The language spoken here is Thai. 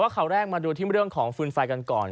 ข่าวแรกมาดูที่เรื่องของฟืนไฟกันก่อน